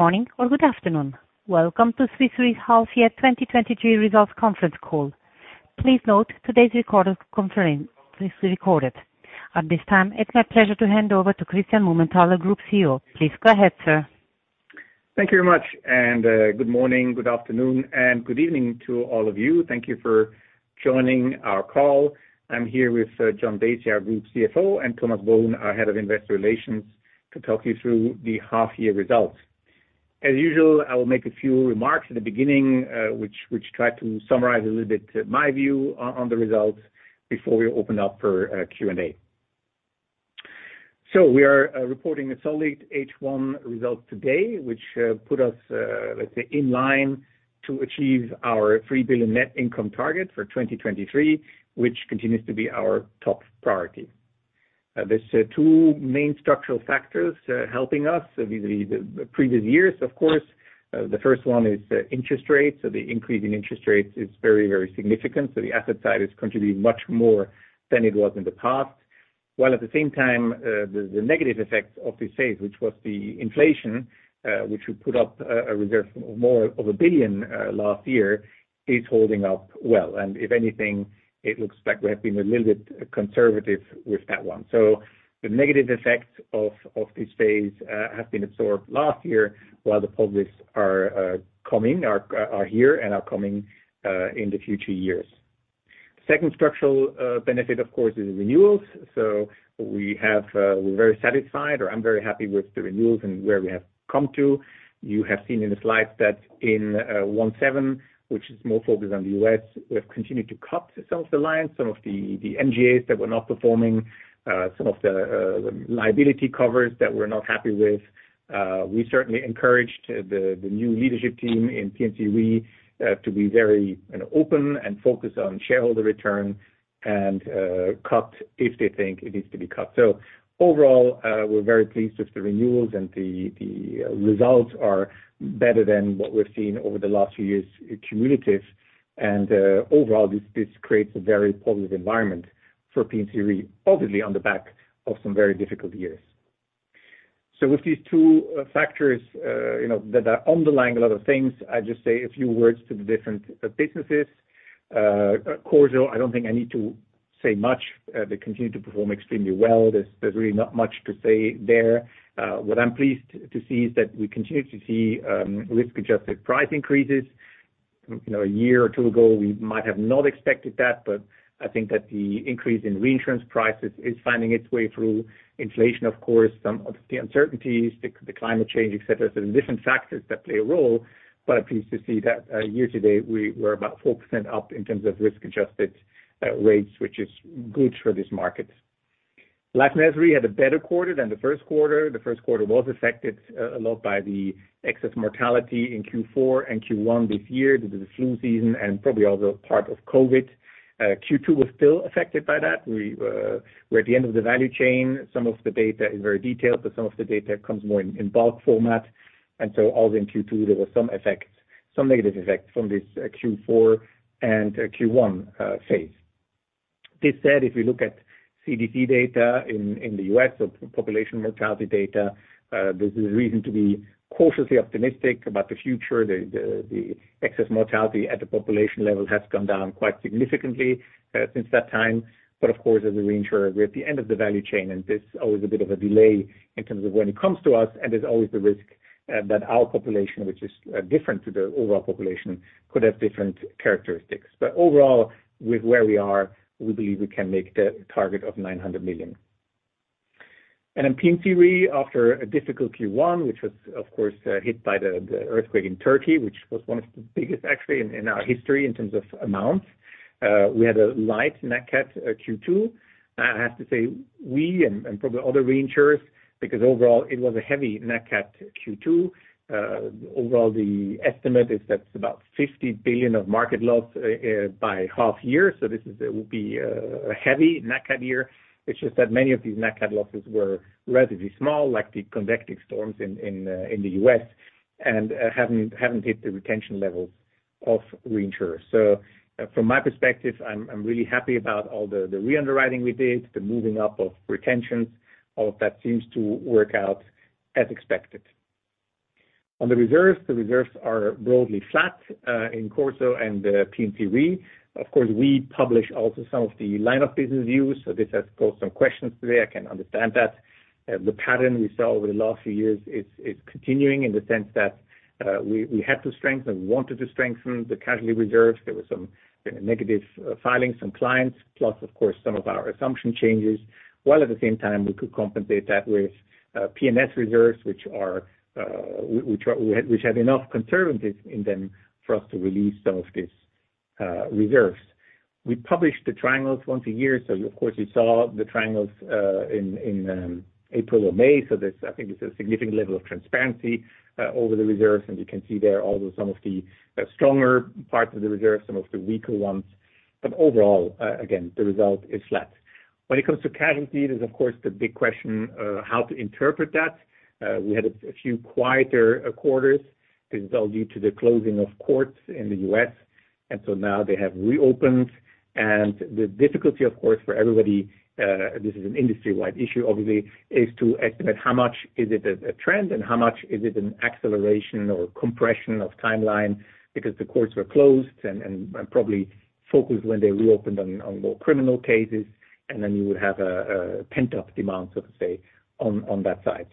Good morning or good afternoon. Welcome to Swiss Re's half year 2023 results conference call. Please note today's record of conference is recorded. At this time, it's my pleasure to hand over to Christian Mumenthaler, Group CEO. Please go ahead, sir. Thank you very much. Good morning, good afternoon, and good evening to all of you. Thank you for joining our call. I'm here with John Dacey, our Group CFO, and Thomas Bohun, our Head of Investor Relations, to talk you through the half year results. As usual, I will make a few remarks at the beginning, which try to summarize a little bit my view on the results before we open up for Q&A. We are reporting a solid H1 results today, which put us, let's say, in line to achieve our $3,000,000,000 net income target for 2023, which continues to be our top priority. There's 2 main structural factors helping us the previous years, of course. The first one is interest rates. The increase in interest rates is very, very significant, so the asset side is contributing much more than it was in the past. While at the same time, the negative effects of this phase, which was the inflation, which we put up a reserve more of $1,000,000,000 last year, is holding up well. If anything, it looks like we have been a little bit conservative with that one. The negative effects of this phase have been absorbed last year, while the positives are coming, are here and are coming in the future years. Second structural benefit, of course, is renewals. We have, we're very satisfied or I'm very happy with the renewals and where we have come to. You have seen in the slides that in IFRS 17, which is more focused on the US, we have continued to cut some of the lines, some of the, the NGAs that were not performing, some of the liability covers that we're not happy with. We certainly encouraged the, the new leadership team in P&C Re to be very, you know, open and focused on shareholder return and cut if they think it needs to be cut. Overall, we're very pleased with the renewals and the, the results are better than what we've seen over the last few years, cumulative. Overall, this, this creates a very positive environment for P&C Re, obviously on the back of some very difficult years. With these two factors, you know, that are underlying a lot of things, I just say a few words to the different businesses. CorSo, I don't think I need to say much. They continue to perform extremely well. There's really not much to say there. What I'm pleased to see is that we continue to see risk-adjusted price increases. You know, a year or two ago, we might have not expected that, but I think that the increase in reinsurance prices is finding its way through inflation, of course, some of the uncertainties, the climate change, et cetera. There are different factors that play a role, but I'm pleased to see that year to date, we're about 4% up in terms of risk-adjusted rates, which is good for this market. Last measure, we had a better quarter than the first quarter. The first quarter was affected, a lot by the excess mortality in Q4 and Q1 this year, due to the flu season and probably also part of COVID. Q2 was still affected by that. We, we're at the end of the value chain. Some of the data is very detailed, but some of the data comes more in, in bulk format. So all in Q2, there was some effect, some negative effect from this Q4 and Q1, phase. This said, if we look at CDC data in, in the US, so population mortality data, there's a reason to be cautiously optimistic about the future. The, the, the excess mortality at the population level has come down quite significantly, since that time. Of course, as a reinsurer, we're at the end of the value chain, and there's always a bit of a delay in terms of when it comes to us, and there's always the risk that our population, which is different to the overall population, could have different characteristics. Overall, with where we are, we believe we can make the target of $900,000,000. In P&C Re, after a difficult Q1, which was, of course, hit by the earthquake in Turkey, which was one of the biggest, actually, in our history in terms of amounts, we had a light nat cat Q2. I have to say, we and probably other reinsurers, because overall it was a heavy nat cat Q2. Overall, the estimate is that's about $50,000,000,000 of market loss by half year. This is, will be a, a heavy nat cat year. It's just that many of these nat cat losses were relatively small, like the convective storms in, in the US, and haven't, haven't hit the retention levels of reinsurers. From my perspective, I'm, I'm really happy about all the, the reunderwriting we did, the moving up of retentions. All of that seems to work out as expected. On the reserves, the reserves are broadly flat in CorSo and P&C Re. Of course, we publish also some of the line of business views, so this has caused some questions today. I can understand that. The pattern we saw over the last few years is, is continuing in the sense that we, we had to strengthen, we wanted to strengthen the casualty reserves. There was some negative filings from clients, plus, of course, some of our assumption changes. While at the same time, we could compensate that with PNS reserves, which are, which, which had enough conservatives in them for us to release some of these reserves. We publish the triangles once a year, so of course, you saw the triangles in, in April or May. This, I think this is a significant level of transparency over the reserves, and you can see there also some of the stronger parts of the reserves, some of the weaker ones. Overall, again, the result is flat. When it comes to casualty, there's of course, the big question, how to interpret that? We had a few quieter quarters. This is all due to the closing of courts in the U.S., so now they have reopened. The difficulty, of course, for everybody, this is an industry-wide issue, obviously, is to estimate how much is it a, a trend and how much is it an acceleration or compression of timeline? Because the courts were closed and, and, and probably focused when they reopened on, on more criminal cases, then you would have a, a pent-up demand, so to say, on, on that side.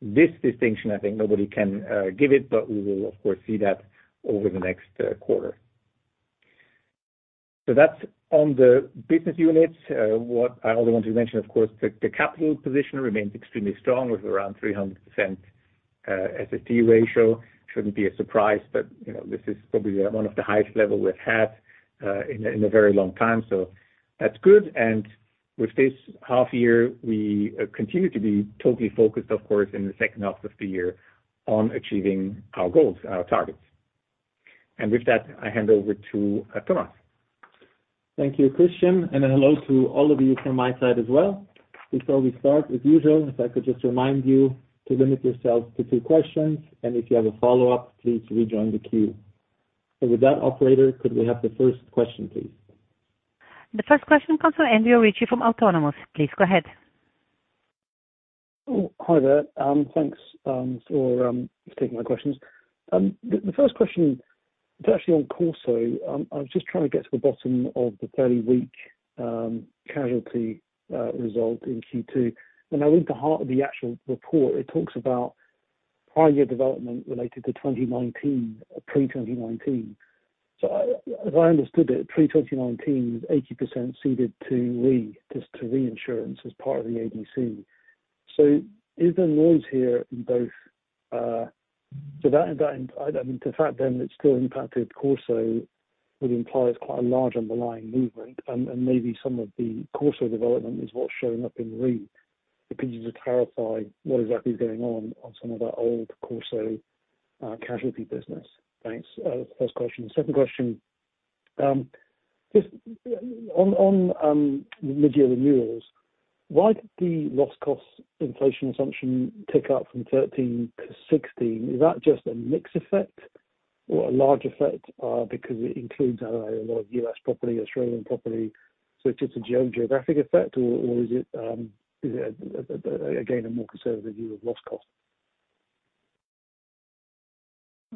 This distinction, I think nobody can, give it, but we will of course, see that over the next, quarter. That's on the business units. What I also want to mention, of course, the, the capital position remains extremely strong, with around 300%, SST ratio. Shouldn't be a surprise, you know, this is probably one of the highest level we've had, in a, in a very long time. That's good. With this half year, we continue to be totally focused, of course, in the second half of the year on achieving our goals, our targets. With that, I hand over to Thomas. Thank you, Christian. Hello to all of you from my side as well. Before we start, as usual, if I could just remind you to limit yourselves to two questions, and if you have a follow-up, please rejoin the queue. With that, operator, could we have the first question, please? The first question comes from Andrew Ritchie from Autonomous. Please go ahead. Oh, hi there. Thanks for taking my questions. The first question is actually on CorSo. I was just trying to get to the bottom of the fairly weak casualty result in Q2. When I read the heart of the actual report, it talks about prior year development related to 2019, pre-2019. As I understood it, pre-2019, 80% ceded to Re, just to reinsurance as part of the ADC. Is there noise here in both...? That, and I mean, the fact then it still impacted CorSo would imply it's quite a large underlying movement, and maybe some of the CorSo development is what's showing up in Re. If you could just clarify what exactly is going on, on some of that old CorSo casualty business. Thanks. First question. Second question, just on mid-year renewals, why did the loss cost inflation assumption tick up from 13 to 16? Is that just a mix effect or a large effect, because it includes a lot of US property, Australian property, so it's a geographic effect or is it, again, a more conservative view of loss cost?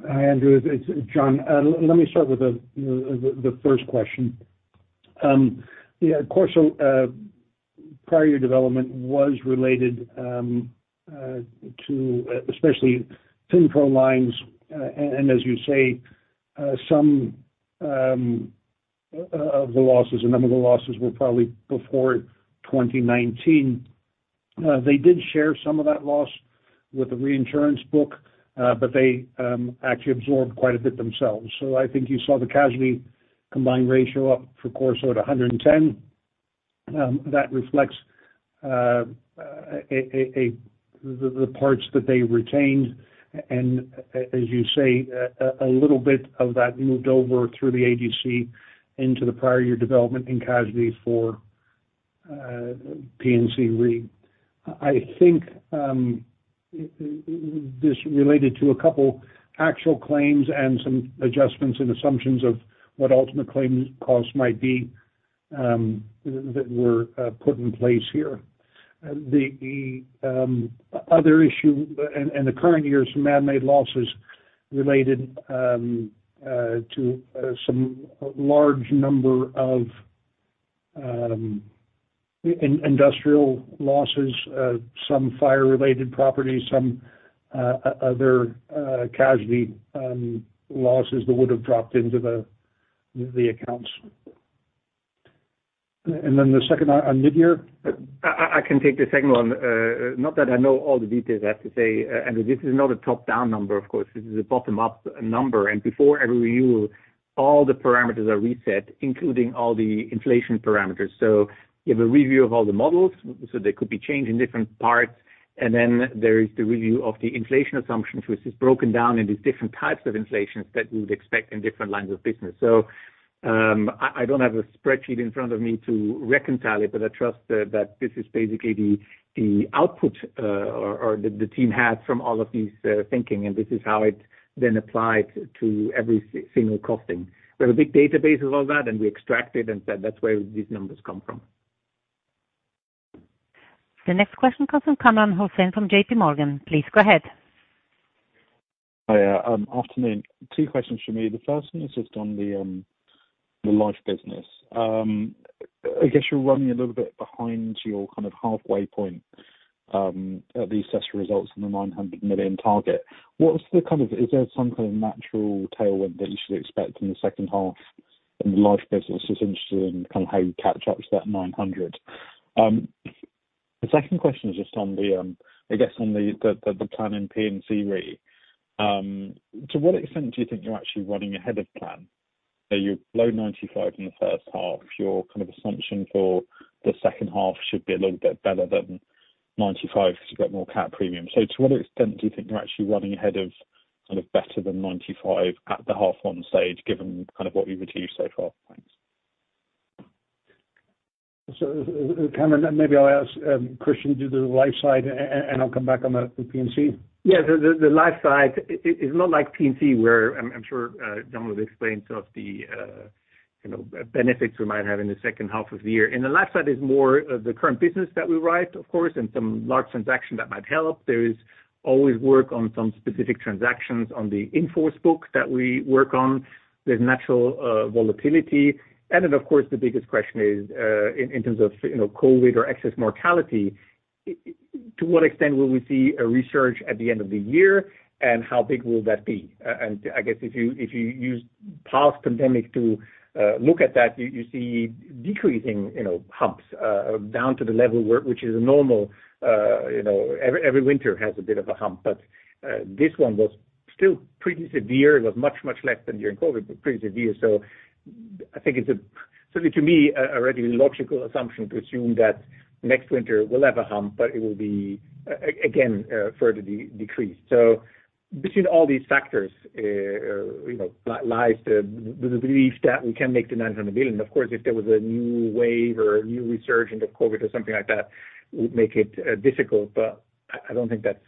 Hi, Andrew, it's John. Let me start with the first question. Yeah, CorSo, prior year development was related to, especially FinPro lines. As you say, some of the losses, a number of the losses were probably before 2019. They did share some of that loss with the reinsurance book, but they actually absorbed quite a bit themselves. I think you saw the casualty combined ratio up for CorSo at 110. That reflects the parts that they retained, and as you say, a little bit of that moved over through the ADC into the prior year development in casualty for P&C Re. I, I think, this related to 2 actual claims and some adjustments and assumptions of what ultimate claim costs might be, that were put in place here. The, the other issue and, and the current year's man-made losses related to some large number of industrial losses, some fire-related properties, some other casualty losses that would have dropped into the, the accounts. Then the second on midyear? I, I, I can take the second one. Not that I know all the details, I have to say, this is not a top-down number, of course. This is a bottom-up number, before every review, all the parameters are reset, including all the inflation parameters. You have a review of all the models, so they could be changed in different parts. Then there is the review of the inflation assumptions, which is broken down into different types of inflations that we would expect in different lines of business. I, I don't have a spreadsheet in front of me to reconcile it, but I trust that, that this is basically the, the output, or, or the, the team had from all of these, thinking, and this is how it then applied to every single costing. We have a big database of all that, and we extract it, and that's where these numbers come from. The next question comes from Kamran Hossain from JP Morgan. Please go ahead. Hi, afternoon. Two questions from me. The first one is just on the life business. I guess you're running a little bit behind your kind of halfway point at the assessed results in the $900,000,000 target. Is there some kind of natural tailwind that you should expect in the second half in the life business? Just interested in kind of how you catch up to that $900,000,000. The second question is just on the I guess on the the the plan in P&C Re. To what extent do you think you're actually running ahead of plan? You're below 95 in the first half. Your kind of assumption for the second half should be a little bit better than 95 to get more cat premium. To what extent do you think you're actually running ahead of kind of better than 95 at the half one stage, given kind of what we've achieved so far? Thanks. Kamran, maybe I'll ask Christian to do the life side, and I'll come back on the P&C. Yeah, the life side is not like P&C, where I'm sure John will explain some of the, you know, benefits we might have in the second half of the year. In the life side is more of the current business that we write, of course, and some large transaction that might help. There is always work on some specific transactions on the in-force book that we work on. There's natural volatility. Then, of course, the biggest question is, in terms of, you know, COVID or excess mortality, to what extent will we see a resurge at the end of the year, and how big will that be? I guess if you, if you use past pandemic to look at that, you see decreasing, you know, humps down to the level where, which is normal. You know, every, every winter has a bit of a hump, but this one was still pretty severe. It was much, much less than during COVID, but pretty severe. I think it's a, certainly to me, a really logical assumption to assume that next winter will have a hump, but it will be again, further decreased. Between all these factors, you know, lies the belief that we can make the $900,000,000,000. Of course, if there was a new wave or a new resurgence of COVID or something like that, would make it difficult, but I, I don't think that's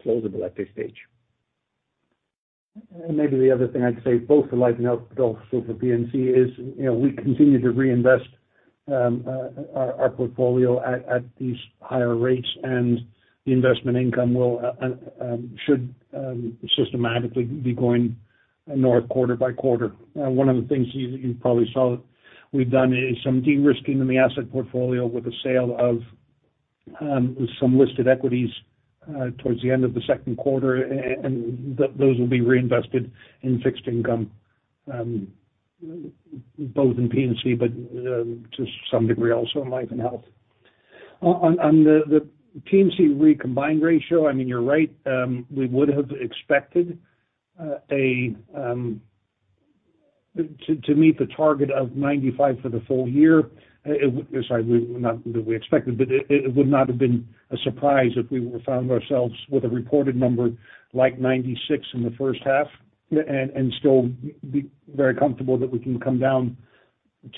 plausible at this stage. Maybe the other thing I'd say, both for life and health, also for P&C, is, you know, we continue to reinvest our portfolio at these higher rates, and the investment income will should systematically be going north quarter by quarter. One of the things you, you probably saw we've done is some de-risking in the asset portfolio with the sale of some listed equities towards the end of the second quarter, and those will be reinvested in fixed income, both in P&C, but to some degree, also in life and health. On the P&C recombined ratio, I mean, you're right, we would have expected to meet the target of 95 for the full year. Sorry, not that we expected, but it, it would not have been a surprise if we found ourselves with a reported number like 96 in the first half, and still be very comfortable that we can come down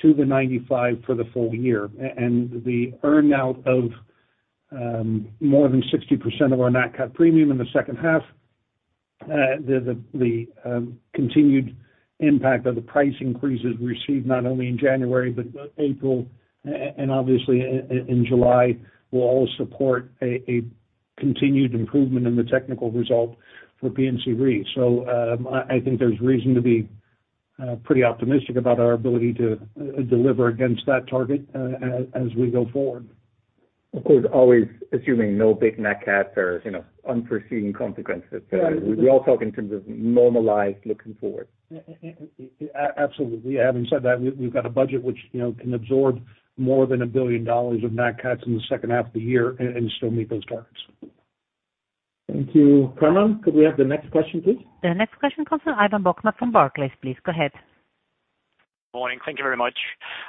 to the 95 for the full year. The earn out of more than 60% of our nat cat premium in the second half, the continued impact of the price increases received not only in January, but April, and obviously in July, will all support a continued improvement in the technical result for P&C Re. I think there's reason to be pretty optimistic about our ability to deliver against that target as we go forward. Of course, always assuming no big nat cats or, you know, unforeseen consequences. Right. We all talk in terms of normalized looking forward. Absolutely. Having said that, we've got a budget which, you know, can absorb more than $1,000,000,000 of nat cats in the second half of the year and still meet those targets. Thank you. Carmen, could we have the next question, please? The next question comes from Ivan Bokhmat from Barclays. Please, go ahead. Morning. Thank you very much.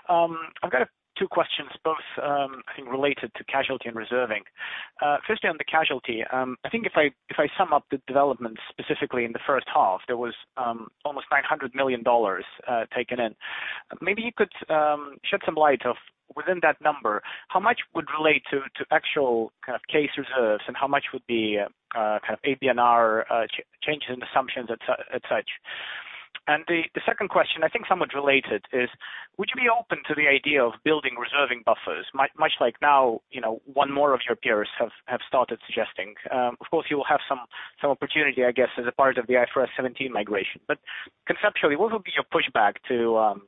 I've got two questions, both, I think, related to casualty and reserving. Firstly, on the casualty, I think if I, if I sum up the developments specifically in the first half, there was almost $900,000,000 taken in. Maybe you could shed some light of, within that number, how much would relate to, to actual kind of case reserves, and how much would be, kind of IBNR, changes in assumptions, etcetera? The, the second question, I think somewhat related, is would you be open to the idea of building reserving buffers, much like now, you know, one more of your peers have, have started suggesting? Of course, you will have some, some opportunity, I guess, as a part of the IFRS 17 migration. Conceptually, what would be your pushback to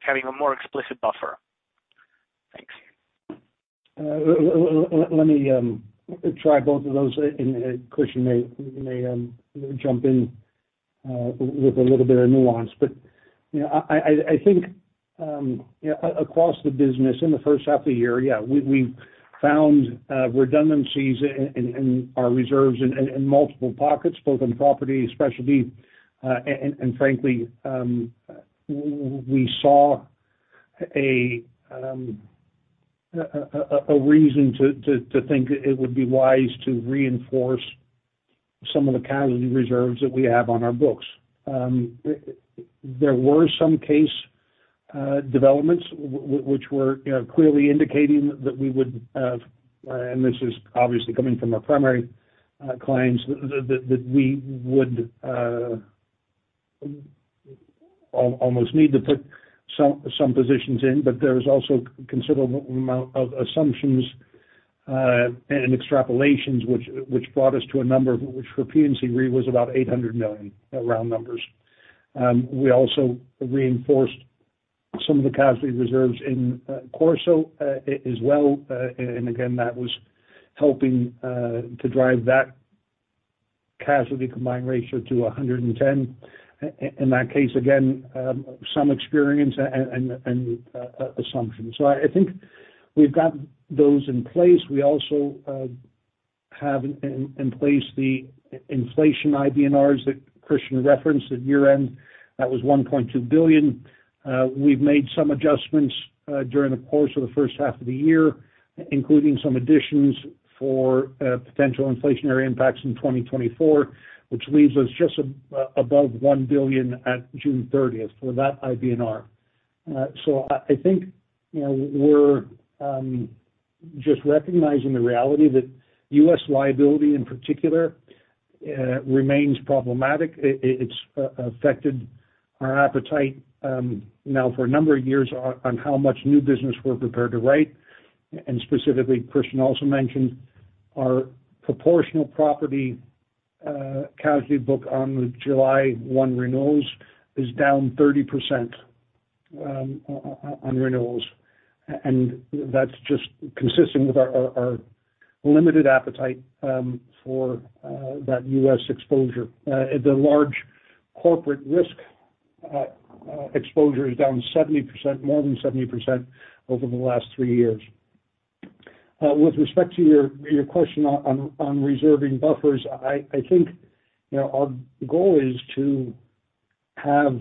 having a more explicit buffer? Thanks. Let me try both of those, and Christian may, may jump in with a little bit of nuance. You know, I, I, I think, you know, across the business in the first half of the year, yeah, we, we found redundancies in, in our reserves in, in multiple pockets, both on property and specialty. Frankly, we saw a reason to, to, to think it would be wise to reinforce some of the casualty reserves that we have on our books. There were some case developments, which were, you know, clearly indicating that we would, and this is obviously coming from our primary clients, that, that we would almost need to put some, some positions in. There is also a considerable amount of assumptions and extrapolations which brought us to a number, which for P&C Re was about $800,000,000, around numbers. We also reinforced some of the casualty reserves in CorSo as well. Again, that was helping to drive that casualty combined ratio to 110. In that case, again, some experience and assumptions. I think we've got those in place. We also have in place the inflation IBNRs that Christian referenced at year-end. That was $1,200,000,000. We've made some adjustments during the course of the first half of the year, including some additions for potential inflationary impacts in 2024, which leaves us just above $1,000,000,000 at June 30th for that IBNR. I, I think, you know, we're just recognizing the reality that U.S. liability, in particular, remains problematic. It, it, it's affected our appetite now for a number of years on how much new business we're prepared to write. Specifically, Christian also mentioned our proportional property, casualty book on the July 1 renewals is down 30% on renewals. That's just consistent with our, our, our limited appetite for that U.S. exposure. The large corporate risk exposure is down 70%, more than 70% over the last 3 years. With respect to your, your question on reserving buffers, I, I think, you know, our goal is to have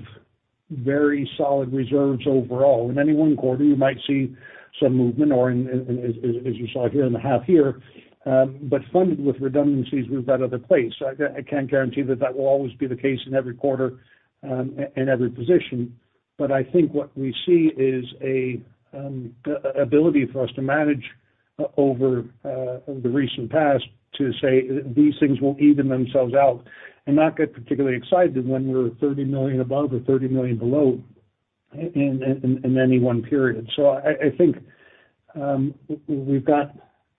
very solid reserves overall. In any one quarter, you might see some movement or in, as, as, as you saw here in the half year, but funded with redundancies we've got other place. I can't guarantee that that will always be the case in every quarter, and every position. I think what we see is a ability for us to manage over the recent past, to say these things will even themselves out and not get particularly excited when we're $30,000,000 above or $30,000,000 below in, in, in any one period. I, I think, we've got,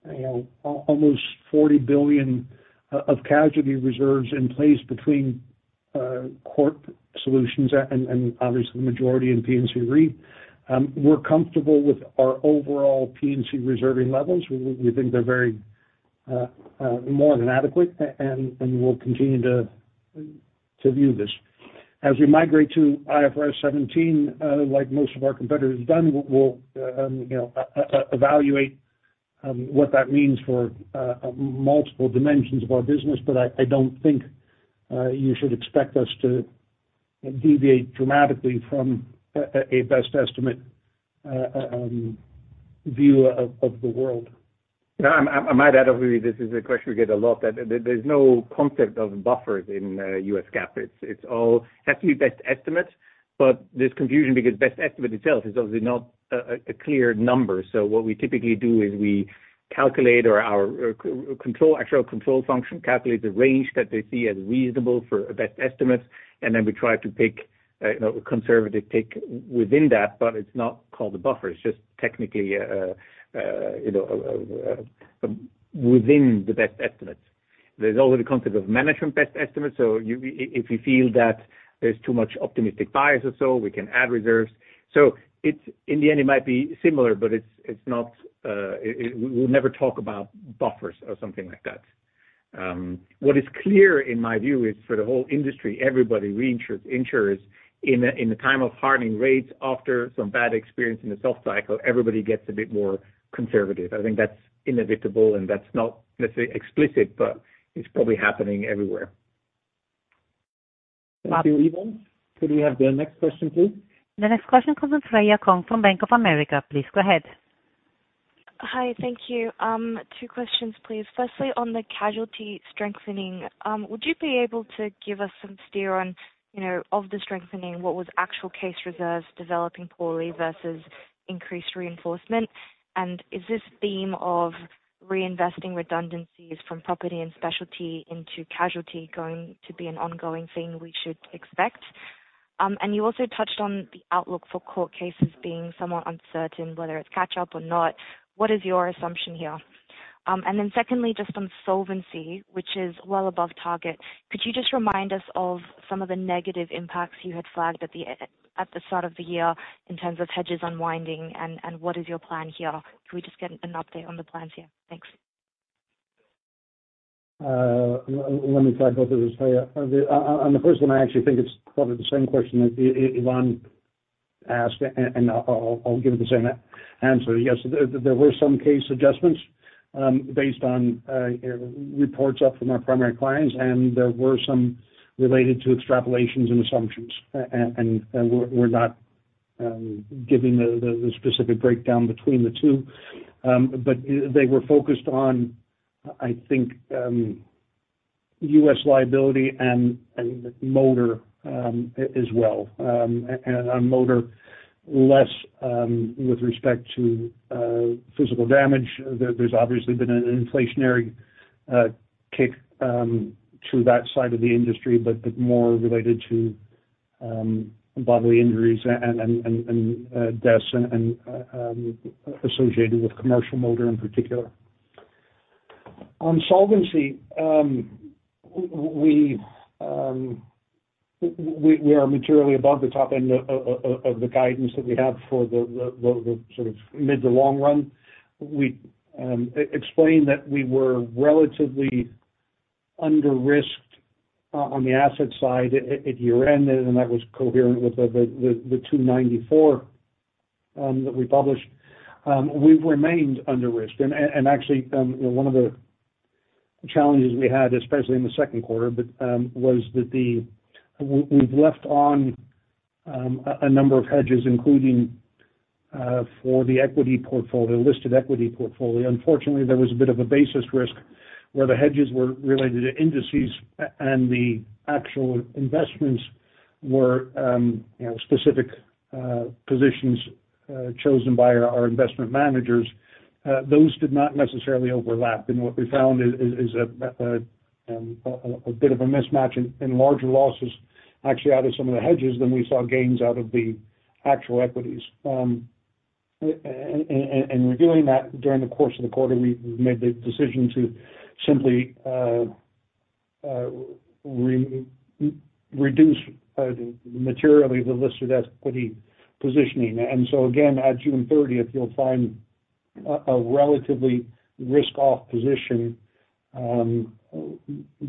you know, almost $40,000,000,000 of casualty reserves in place between Corporate Solutions and, and obviously the majority in P&C Re. We're comfortable with our overall P&C reserving levels. We, we think they're very, more than adequate, and we'll continue to, to view this. As we migrate to IFRS 17, like most of our competitors have done, we'll, you know, evaluate what that means for multiple dimensions of our business. I, I don't think, you should expect us to deviate dramatically from a, a, a best estimate view of, of the world. Yeah, I, I might add, obviously, this is a question we get a lot, that there's no concept of buffers in US GAAP. It's, it's all has to be best estimates, but there's confusion because best estimate itself is obviously not a, a, a clear number. What we typically do is we calculate, or our actual control function calculates the range that they see as reasonable for a best estimate, and then we try to pick, you know, a conservative pick within that. It's not called a buffer, it's just technically a, you know, within the best estimates. There's also the concept of management best estimates, so if you feel that there's too much optimistic bias or so, we can add reserves. It's, in the end, it might be similar, but it's, it's not, it, we never talk about buffers or something like that. What is clear, in my view, is for the whole industry, everybody, reinsurers, insurers, in a, in a time of hardening rates, after some bad experience in the soft cycle, everybody gets a bit more conservative. I think that's inevitable, and that's not necessarily explicit, but it's probably happening everywhere. Thank you, Yvonne. Could we have the next question, please? The next question comes from Freya Kong from Bank of America. Please go ahead. Hi. Thank you. Two questions, please. Firstly, on the casualty strengthening, would you be able to give us some steer on, you know, of the strengthening, what was actual case reserves developing poorly versus increased reinforcement? Is this theme of reinvesting redundancies from property and specialty into casualty going to be an ongoing thing we should expect? You also touched on the outlook for court cases being somewhat uncertain, whether it's catch up or not. What is your assumption here? Then secondly, just on solvency, which is well above target, could you just remind us of some of the negative impacts you had flagged at the start of the year in terms of hedges unwinding, and what is your plan here? Can we just get an update on the plans here? Thanks. Let me try both of those, Freya. On the first one, I actually think it's probably the same question that Yvonne asked, and I'll, I'll give it the same answer. Yes, there, there were some case adjustments, based on, you know, reports up from our primary clients, and there were some related to extrapolations and assumptions. We're, we're not giving the, the, the specific breakdown between the two. They were focused on, I think, U.S. liability and, and motor, as well. On motor, less, with respect to physical damage. There, there's obviously been an inflationary kick to that side of the industry, but, but more related to bodily injuries and, and, and, and deaths and associated with commercial motor in particular. On solvency, we are materially above the top end of the guidance that we have for the, the, the, sort of, mid to long run. We explained that we were relatively under risked on the asset side at year end, and that was coherent with the, the, the 294 that we published. We've remained under risked. Actually, you know, one of the challenges we had, especially in the second quarter, but was that we've left on a number of hedges for the equity portfolio, listed equity portfolio. Unfortunately, there was a bit of a basis risk where the hedges were related to indices, and the actual investments were, you know, specific positions chosen by our, our investment managers. Those did not necessarily overlap, and what we found is a bit of a mismatch in larger losses actually out of some of the hedges than we saw gains out of the actual equities. In reviewing that during the course of the quarter, we've made the decision to simply reduce materially the listed equity positioning. Again, at June thirtieth, you'll find a relatively risk-off position,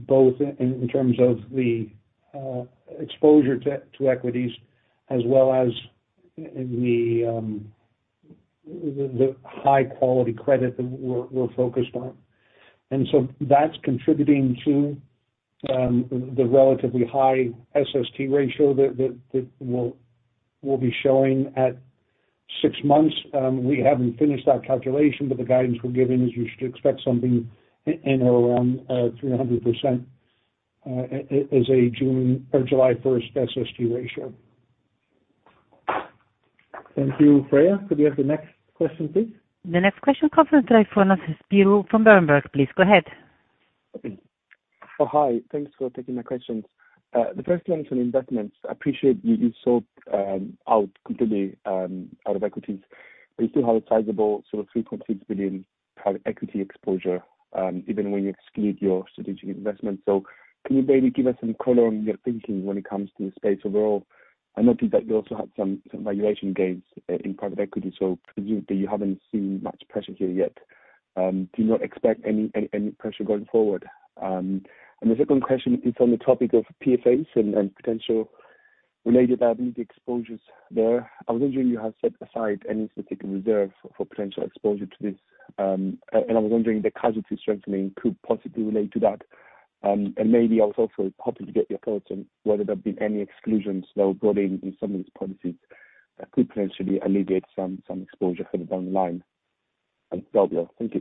both in terms of the exposure to equities, as well as in the high quality credit that we're focused on. That's contributing to the relatively high SST ratio that we'll be showing at six months. We haven't finished that calculation, but the guidance we're giving is you should expect something in or around 300% as a June or July 1st SST ratio. Thank you. Freya, could we have the next question, please? The next question conference line for is Spyrou from Berenberg. Please, go ahead. Oh, hi. Thanks for taking my questions. The first one is on investments. I appreciate you, you sold out completely out of equities, but you still have a sizable, so $3,600,000,000 private equity exposure even when you exclude your strategic investment. Can you maybe give us some color on your thinking when it comes to the space overall? I noticed that you also had some, some valuation gains in private equity, presumably you haven't seen much pressure here yet. Do you not expect any, any, any pressure going forward? The second question is on the topic of PFAS and potential related liability exposures there. I was wondering if you have set aside any specific reserve for potential exposure to this, and I was wondering if the casualty strengthening could possibly relate to that. Maybe also for hopefully to get your thoughts on whether there have been any exclusions that were brought in, in some of these policies that could potentially alleviate some, some exposure further down the line? Thank you. Thanks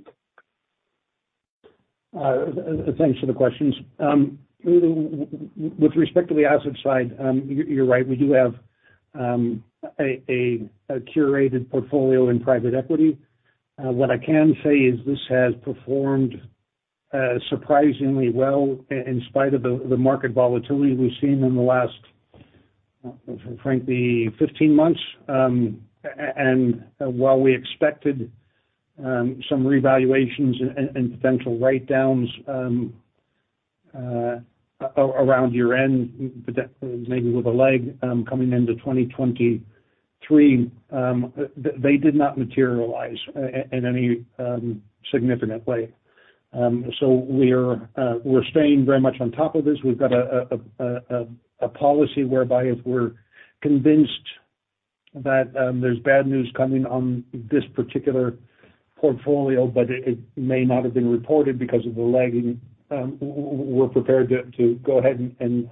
for the questions. With respect to the asset side, you're, you're right, we do have a curated portfolio in private equity. What I can say is this has performed surprisingly well in spite of the market volatility we've seen in the last, frankly, 15 months. While we expected some revaluations and potential write-downs around year-end, but that maybe with a lag, coming into 2023, they did not materialize in any significant way. We're staying very much on top of this. We've got a policy whereby if we're convinced that there's bad news coming on this particular portfolio, but it, it may not have been reported because of the lagging, we're prepared to go ahead and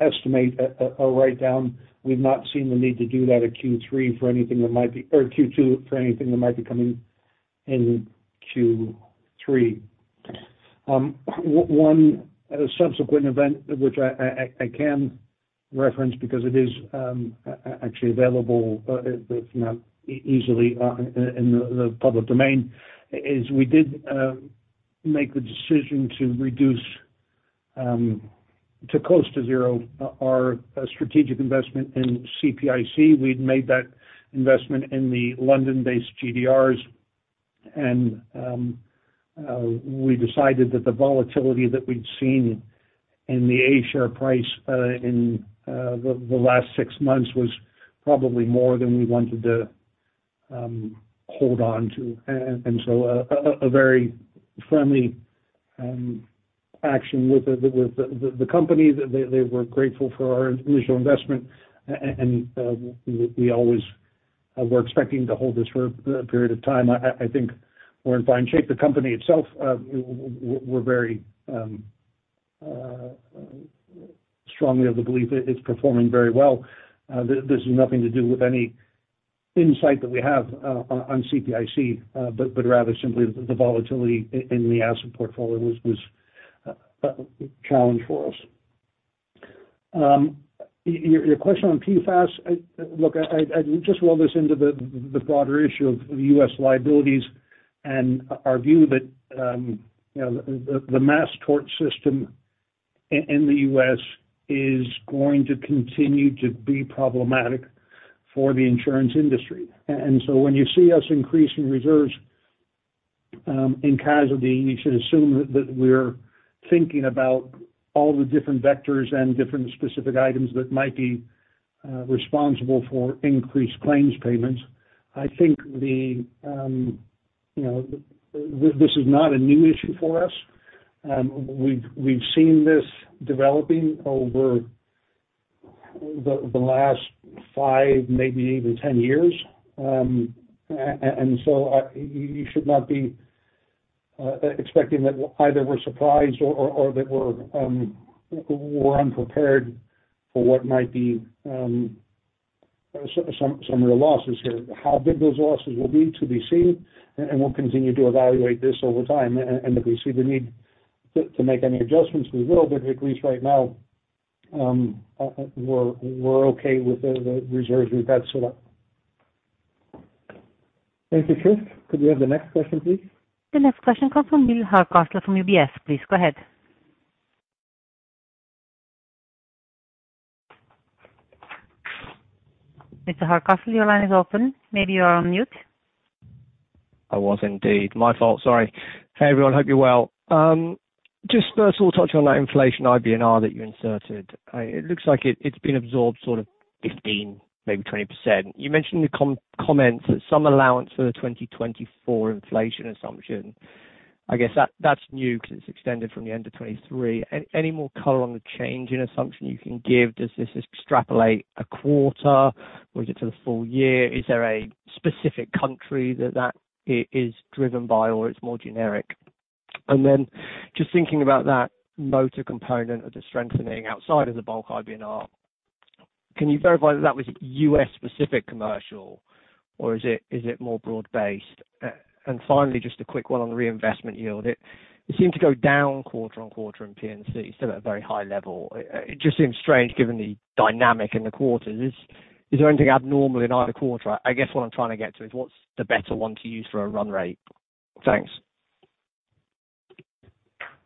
estimate a write down. We've not seen the need to do that at Q3 for anything that might be or Q2, for anything that might be coming in Q3. One subsequent event, which I can reference because it is actually available, if not easily, in the public domain, is we did make the decision to reduce to close to zero our strategic investment in CPIC. We'd made that investment in the London-based GDRs, and we decided that the volatility that we'd seen in the A-share price in the last six months was probably more than we wanted to hold on to. A very friendly action with the company. They were grateful for our initial investment, and we always were expecting to hold this for a period of time. I think we're in fine shape. The company itself, we're very strongly of the belief that it's performing very well. This is nothing to do with any insight that we have on CPIC, but rather simply the volatility in the asset portfolio was a challenge for us. your, your question on PFAS, I, look, I, I, just roll this into the, the broader issue of, of US liabilities and our view that, you know, the, the mass tort system in the US is going to continue to be problematic for the insurance industry. When you see us increasing reserves in casualty, you should assume that, that we're thinking about all the different vectors and different specific items that might be responsible for increased claims payments. I think the, you know, this is not a new issue for us. We've, we've seen this developing over the, the last five, maybe even 10 years. I, you should not be expecting that either we're surprised or, or, or that we're, we're unprepared for what might be some, some real losses here. How big those losses will be, to be seen, and we'll continue to evaluate this over time. If we see the need to, to make any adjustments, we will. At least right now, we're, we're okay with the, the reserves we've had set up. Thank you, Chris. Could we have the next question, please? The next question comes from Will Hardcastle from UBS. Please go ahead. Mr. Hardcastle, your line is open. Maybe you're on mute. I was indeed. My fault, sorry. Hey, everyone, hope you're well. Just first of all, touch on that inflation IBNR that you inserted. It looks like it's been absorbed sort of 15, maybe 20%. You mentioned in the comments that some allowance for the 2024 inflation assumption, I guess that's new because it's extended from the end of 2023. Any more color on the change in assumption you can give? Does this extrapolate a quarter, or is it for the full year? Is there a specific country that that is driven by, or it's more generic? Then just thinking about that motor component of the strengthening outside of the bulk IBNR, can you verify that was US-specific commercial, or is it, is it more broad-based? Finally, just a quick one on the reinvestment yield. It seemed to go down quarter-on-quarter in P&C, still at a very high level. It just seems strange, given the dynamic in the quarter. Is there anything abnormal in either quarter? I guess what I'm trying to get to is, what's the better one to use for a run rate? Thanks.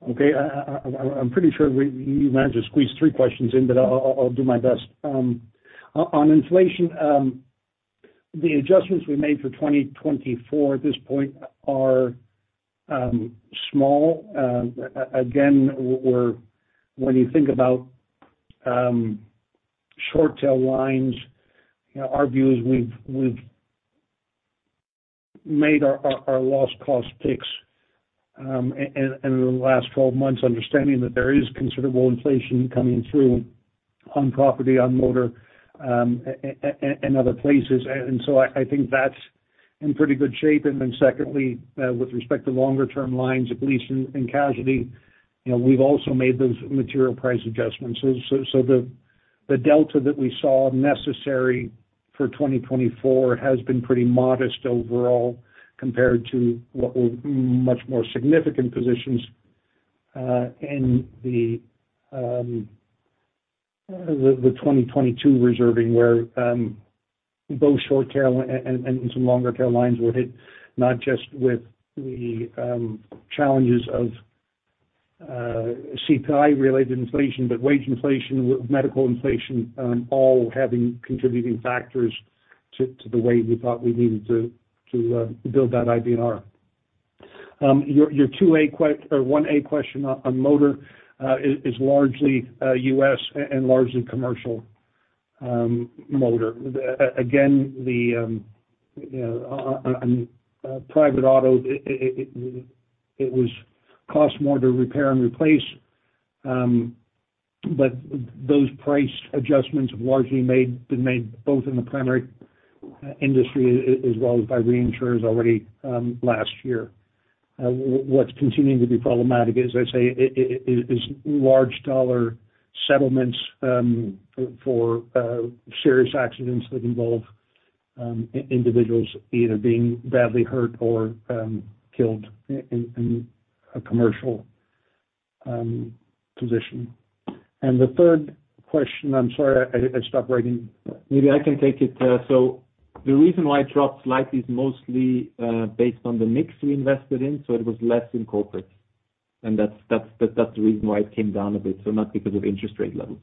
Okay. I'm pretty sure you managed to squeeze three questions in, but I'll, I'll do my best. On inflation, the adjustments we made for 2024 at this point are small. Again, when you think about short-tail lines, you know, our view is we've, we've made our, our loss cost picks in the last 12 months, understanding that there is considerable inflation coming through on property, on motor, and other places. So I, I think that's in pretty good shape. Then secondly, with respect to longer-term lines, at least in, in casualty, you know, we've also made those material price adjustments. The delta that we saw necessary for 2024 has been pretty modest overall, compared to what were much more significant positions in the 2022 reserving. Where both short-tail and some longer tail lines were hit, not just with the challenges of CPI-related inflation, but wage inflation, medical inflation, all having contributing factors to the way we thought we needed to build that IBNR. Your 2A or 1A question on motor is largely U.S. and largely commercial motor. The, again, the, you know, on private auto, it, it, it was cost more to repair and replace, but those price adjustments have largely made, been made both in the primary industry, as well as by reinsurers already, last year. What's continuing to be problematic, as I say, is, is large dollar settlements, for serious accidents that involve individuals either being badly hurt or killed in, in a commercial position. The third question, I'm sorry, I, I stopped writing. Maybe I can take it. The reason why it dropped slightly is mostly based on the mix we invested in, so it was less in Corporate. That's the reason why it came down a bit, so not because of interest rate levels.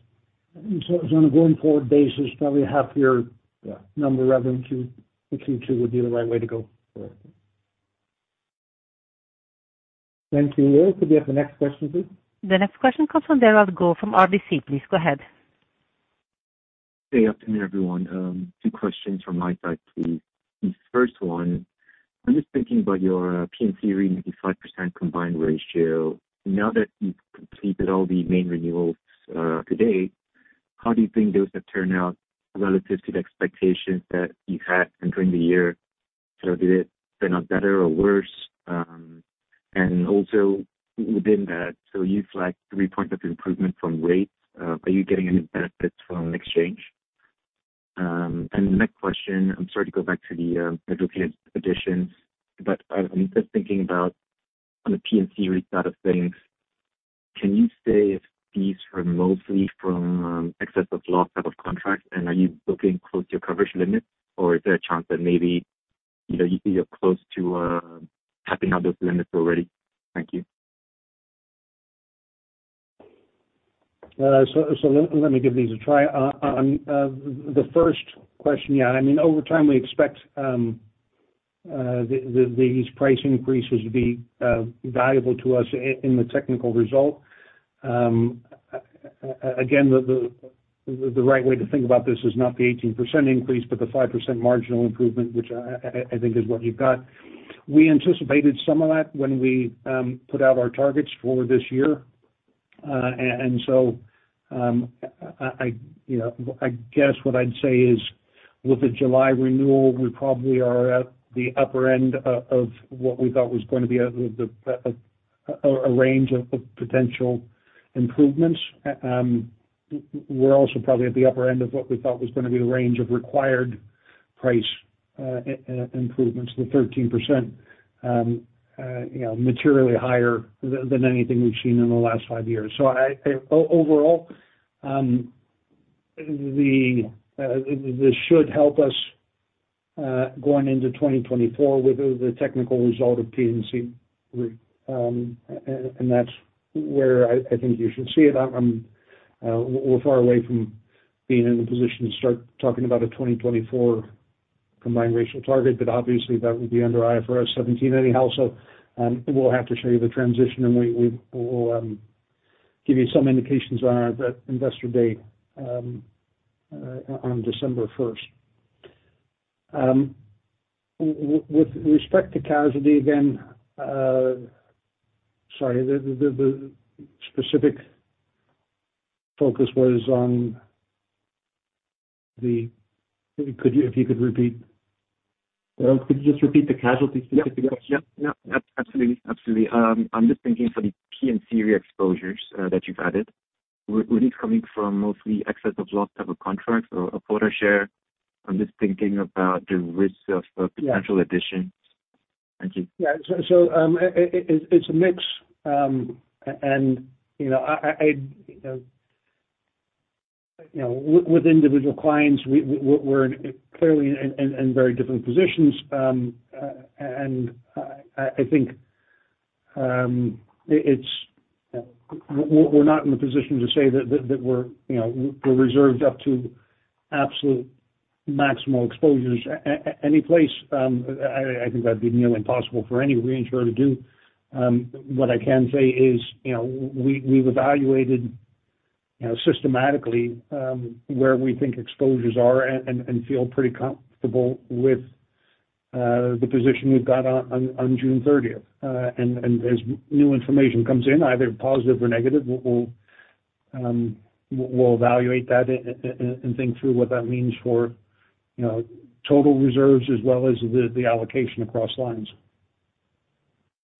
On a going-forward basis, probably half your-… Yeah number rather than 2, the 22 would be the right way to go. Correct. Thank you. Could we have the next question, please? The next question comes from Derald Goh from RBC. Please go ahead. Hey, good afternoon, everyone. 2 questions from my side, please. The first one, I'm just thinking about your P&C 95% combined ratio. Now that you've completed all the main renewals to date, how do you think those have turned out relative to the expectations that you had during the year? Did it turn out better or worse? Also within that, you flagged 3 points of improvement from rates. Are you getting any benefits from exchange? The next question, I'm sorry to go back to the educated additions, but, I'm just thinking about on the P&C rate side of things, can you say if these are mostly from excess of loss type of contracts, and are you looking close to your coverage limit, or is there a chance that maybe, you know, you're close to capping out those limits already? Thank you. Let me give these a try. The first question, yeah, I mean, over time, we expect these price increases to be valuable to us in the technical result. Again, the right way to think about this is not the 18% increase, but the 5% marginal improvement, which I think is what you've got. We anticipated some of that when we put out our targets for this year. I, you know, I guess what I'd say is, with the July renewal, we probably are at the upper end of what we thought was going to be a range of potential improvements. We're also probably at the upper end of what we thought was gonna be the range of required price improvements, the 13%. You know, materially higher than anything we've seen in the last 5 years. Overall, this should help us going into 2024 with the technical result of P&C Re. That's where I think you should see it. We're far away from being in the position to start talking about a 2024 combined ratio target, but obviously, that would be under IFRS 17 anyhow, so we'll have to show you the transition, and give you some indications on our, that investor date, on December 1st. With respect to casualty, again, sorry, the specific focus was, could you, if you could repeat? Could you just repeat the casualty specific question? Yep, yep, yep. Absolutely, absolutely. I'm just thinking for the P&C Re exposures that you've added, were these coming from mostly excess of loss type of contracts or a quota share? I'm just thinking about the risks of. Yeah. the potential additions. Thank you. Yeah. It's, it's a mix. You know, I, I, I, you know, you know, with individual clients, we, we're clearly in, in, in very different positions. I, I think, it's, we're, we're not in the position to say that, that, that we're, you know, we're reserved up to absolute maximal exposures any place. I, I think that'd be nearly impossible for any reinsurer to do. What I can say is, you know, we, we've evaluated, you know, systematically, where we think exposures are and, and feel pretty comfortable with, the position we've got on, on, on June 30th. As new information comes in, either positive or negative, we'll, we'll, we'll evaluate that and think through what that means for, you know, total reserves as well as the, the allocation across lines.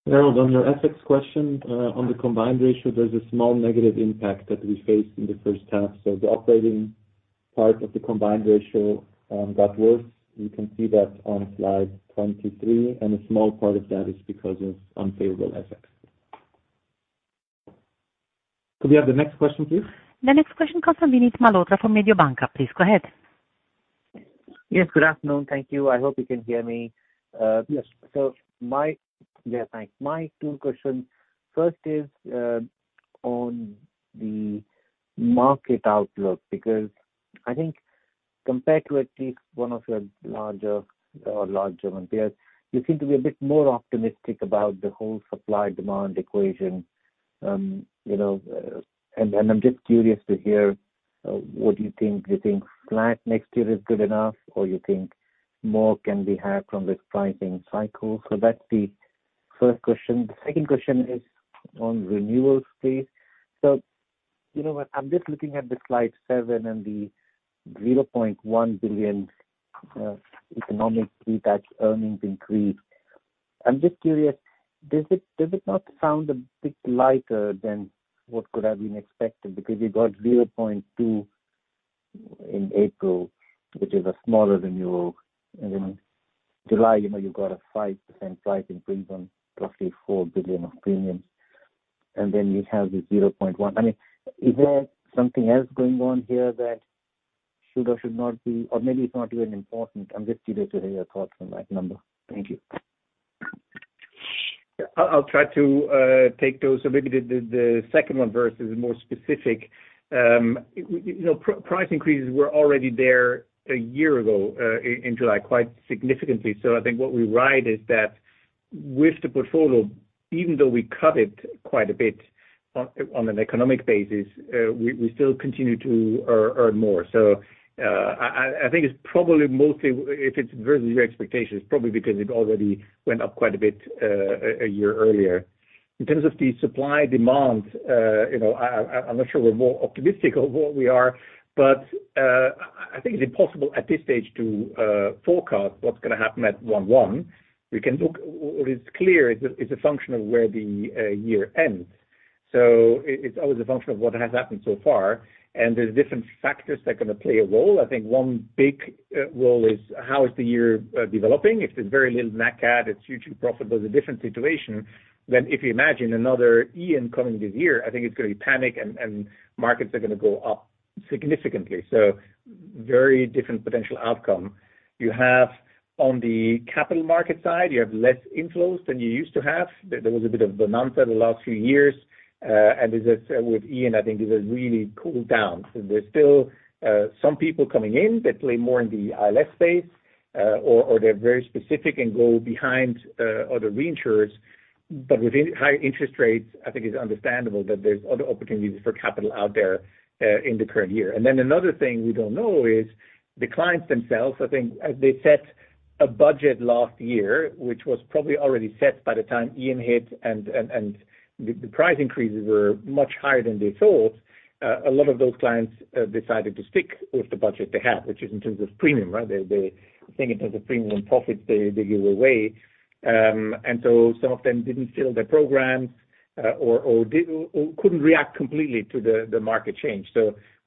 Harold, on your FX question, on the combined ratio, there's a small negative impact that we faced in the first half. The operating part of the combined ratio got worse. You can see that on slide 23, a small part of that is because of unfavorable FX. Could we have the next question, please? The next question comes from Vinit Malhotra from Mediobanca. Please go ahead. Yes, good afternoon. Thank you. I hope you can hear me. Yes. Yeah, thanks. My two questions. First is on the market outlook, because I think compared to at least one of your larger or large peers, you seem to be a bit more optimistic about the whole supply-demand equation. You know, I'm just curious to hear what you think. Do you think flat next year is good enough, or you think more can be had from this pricing cycle? That's the first question. The second question is on renewal space. You know what, I'm just looking at the slide 7 and the $100,000,000 economic detach earnings increase. I'm just curious, does it not sound a bit lighter than what could have been expected? Because you got $0.2 in April, which is a smaller than your... July, you know, you got a 5% price increase on roughly $4,000,000,000of premiums, then you have the 0.1. I mean, is there something else going on here that should or should not be, or maybe it's not even important? I'm just curious to hear your thoughts on that number. Thank you. I'll, I'll try to take those. Maybe the, the, the second one versus more specific. You know, price increases were already there a year ago, in July, quite significantly. I think what we ride is that with the portfolio, even though we cut it quite a bit on, on an economic basis, we still continue to earn more. I, I, I think it's probably mostly if it's versus your expectations, probably because it already went up quite a bit a year earlier. In terms of the supply-demand, you know, I, I, I'm not sure we're more optimistic of what we are, but I think it's impossible at this stage to forecast what's gonna happen at 1/1. We can look. What is clear is it's a function of where the year ends. I-it's always a function of what has happened so far, and there's different factors that are gonna play a role. I think one big role is how is the year developing? If there's very little nat cat, it's hugely profitable, it's a different situation than if you imagine another Ian coming this year, I think it's gonna be panic and, and markets are gonna go up significantly. Very different potential outcome. You have on the capital market side, you have less inflows than you used to have. There, there was a bit of bonanza the last few years, and as I said, with Ian, I think this has really cooled down. There's still some people coming in that play more in the ILS space, or, or they're very specific and go behind other reinsurers. With high interest rates, I think it's understandable that there's other opportunities for capital out there, in the current year. Then another thing we don't know is the clients themselves, I think, as they set a budget last year, which was probably already set by the time Ian hit and the price increases were much higher than they thought, a lot of those clients decided to stick with the budget they had, which is in terms of premium, right? They, they think in terms of premium profits, they, they give away. So some of them didn't fill their programs, or couldn't react completely to the market change.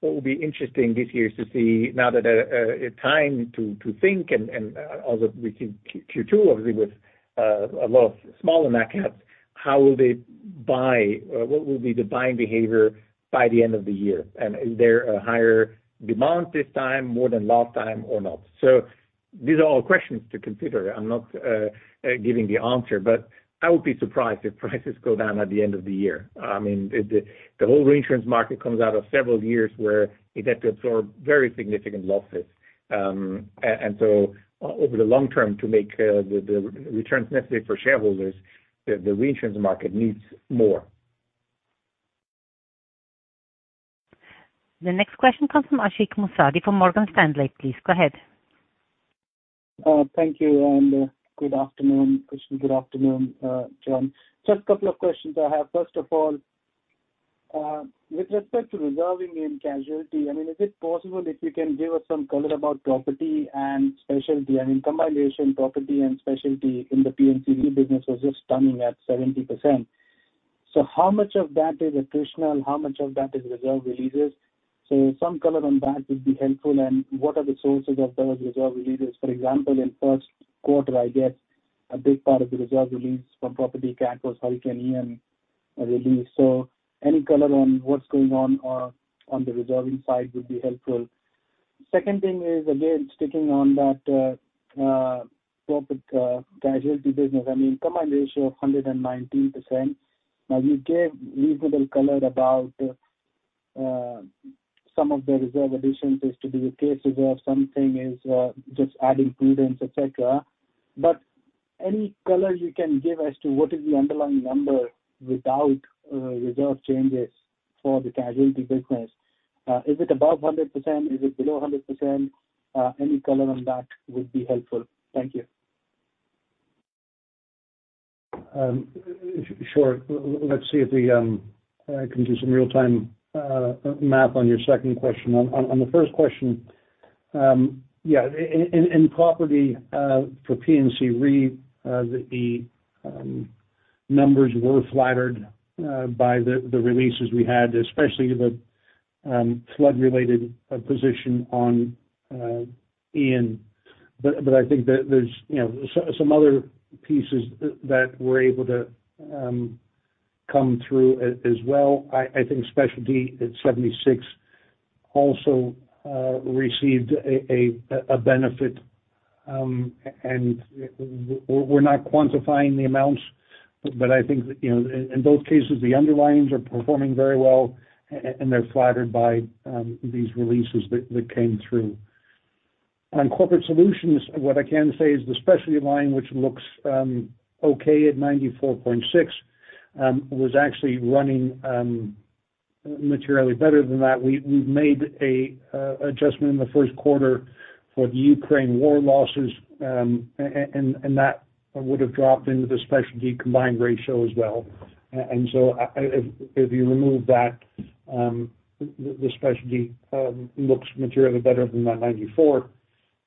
What will be interesting this year is to see now that a time to think and although we see Q2, obviously, with a lot of smaller markets, how will they buy? What will be the buying behavior by the end of the year? Is there a higher demand this time, more than last time or not? These are all questions to consider. I'm not giving the answer, but I would be surprised if prices go down at the end of the year. I mean, the whole reinsurance market comes out of several years where you have to absorb very significant losses. Over the long term, to make the returns necessary for shareholders, the reinsurance market needs more. The next question comes from Ashik Musaddi from Morgan Stanley. Please, go ahead. Thank you, good afternoon, Christian. Good afternoon, John. Just a couple of questions I have. First of all, with respect to reserving in casualty, I mean, is it possible if you can give us some color about property and specialty? I mean, combination property and specialty in the P&C Re business was just stunning at 70%. How much of that is additional, and how much of that is reserve releases? Some color on that would be helpful, and what are the sources of those reserve releases? For example, in first quarter, I guess, a big part of the reserve release from property cat was Hurricane Ian release. Any color on what's going on, on the reserving side would be helpful. Second thing is, again, sticking on that, corporate casualty business, I mean, combined ratio of 119%. You gave reasonable color about some of the reserve additions is to be the case reserve. Something is just adding prudence, et cetera. Any color you can give as to what is the underlying number without reserve changes for the casualty business? Is it above 100%? Is it below 100%? Any color on that would be helpful. Thank you. Sure. Let's see if we can do some real-time math on your second question. On the first question, in property, for P&C Re, the numbers were flattered by the releases we had, especially the flood-related position on Ian. I think that there's, you know, some other pieces that were able to come through as well. I think specialty at 76 also received a benefit, and we're not quantifying the amounts, but I think, you know, in both cases, the underlyings are performing very well, and they're flattered by these releases that came through. On Corporate Solutions, what I can say is the specialty line, which looks okay at 94.6%, was actually running materially better than that. We, we've made an adjustment in the first quarter for the Ukraine war losses, and that would have dropped into the specialty combined ratio as well. So I, if you remove that, the specialty looks materially better than that 94%.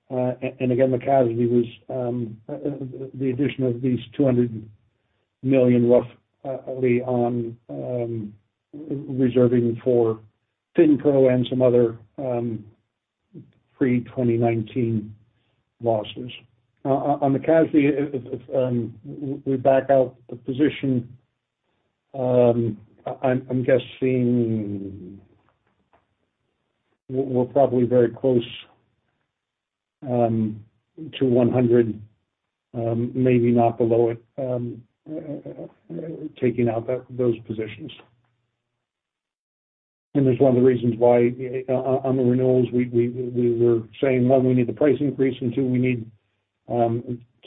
Again, the casualty was the addition of these $200,000,000, roughly, on reserving for FinPro and some other pre-2019 losses. On the casualty, if we back out the position, I'm guessing we're probably very close to 100%, maybe not below it, taking out those positions. That's one of the reasons why, on, on the renewals, we, we, we were saying, one, we need the price increase, and two, we need,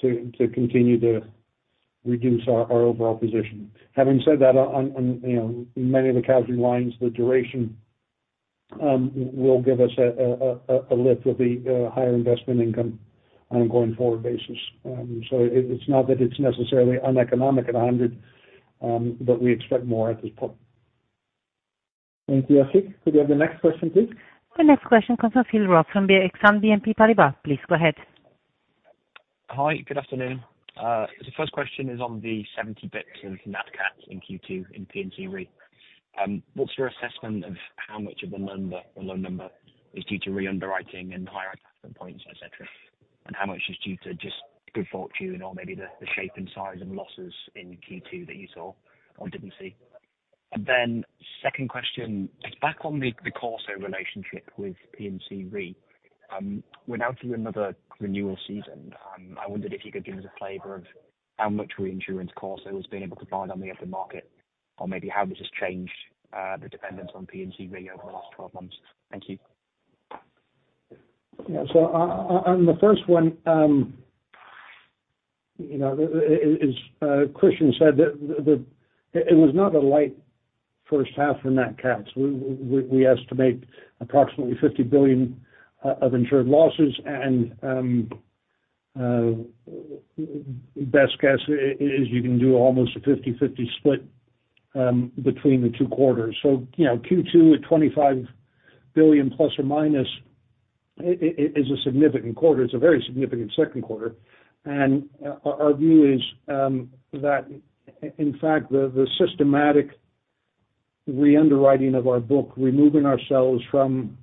to, to continue to reduce our, our overall position. Having said that, on, on, you know, many of the casualty lines, the duration, will give us a, a, a, a lift with the, higher investment income on a going-forward basis. It, it's not that it's necessarily uneconomic at 100, but we expect more at this point. Thank you, Ashik. Could we have the next question, please? The next question comes from Phil Ross, from the Exane BNP Paribas. Please, go ahead. Hi, good afternoon. The first question is on the 70 bits of NatCat in Q2 in P&C Re. What's your assessment of how much of the number, the low number, is due to reunderwriting and higher attachment points? How much is due to just good fortune or maybe the shape and size of losses in Q2 that you saw or didn't see? Second question, just back on the CorSo relationship with P&C Re, we're now through another renewal season. I wondered if you could give us a flavor of how much reinsurance CorSo has been able to find on the open market, or maybe how this has changed the dependence on P&C Re over the last 12 months. Thank you. Yeah, on the first one, you know, as Christian said, the, it was not a light first half in nat cats. We estimate approximately $50,000,000,000 of insured losses, and best guess is you can do almost a 50/50 split between the two quarters. You know, Q2 at $25,000,000,000, ±, is a significant quarter. It's a very significant second quarter. Our view is that in fact, the systematic re-underwriting of our book, removing ourselves from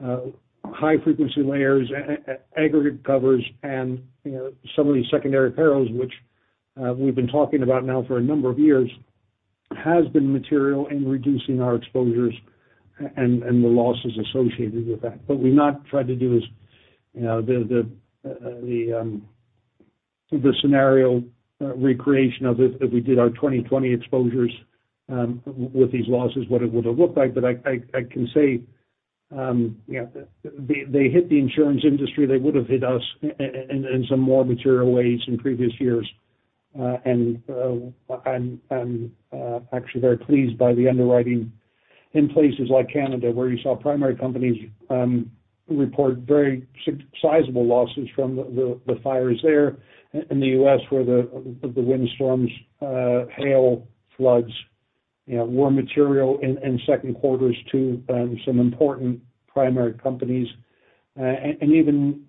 high frequency layers, aggregate covers, and, you know, some of these secondary perils, which we've been talking about now for a number of years, has been material in reducing our exposures and the losses associated with that. We've not tried to do is, you know, the, the, the scenario recreation of if, if we did our 2020 exposures with these losses, what it would have looked like. I, I, I can say, yeah, they, they hit the insurance industry. They would have hit us in some more material ways in previous years. I'm, I'm actually very pleased by the underwriting in places like Canada, where you saw primary companies report very sizable losses from the, the, the fires there in the US, where the, the windstorms, hail, floods, you know, were material in, in second quarters to some important primary companies. And even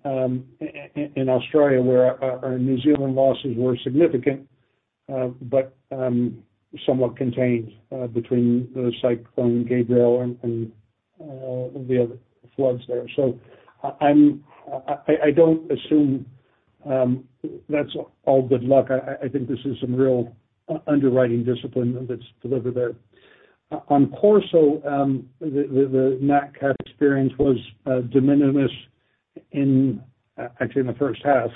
in Australia, where our, our New Zealand losses were significant, but somewhat contained, between the Cyclone Gabrielle and, and the other floods there. I, I'm, I, I don't assume that's all good luck. I, I think this is some real underwriting discipline that's delivered there. On CorSo, the nat cat experience was de minimis in actually in the first half,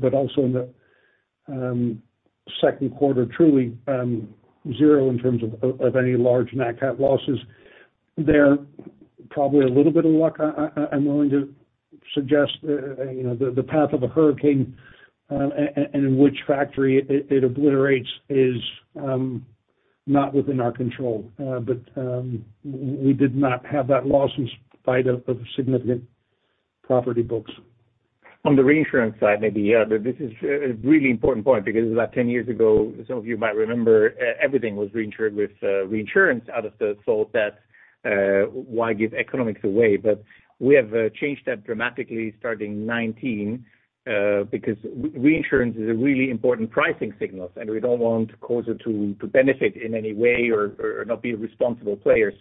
but also in the second quarter, truly zero in terms of any large nat cat losses. There, probably a little bit of luck, I, I, I'm willing to suggest, you know, the path of a hurricane, and which factory it, it obliterates is not within our control. We did not have that loss in spite of, of significant property books. On the reinsurance side, maybe, yeah, this is a really important point because about 10 years ago, some of you might remember everything was reinsured with reinsurance out of the thought that why give economics away? We have changed that dramatically starting 2019, because reinsurance is a really important pricing signals, and we don't want CorSo to benefit in any way or not be a responsible player.